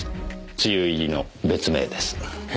梅雨入りの別名です。へ。